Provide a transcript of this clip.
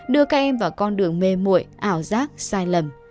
đưa các em vào con đường mê mụi ảo giác sai lầm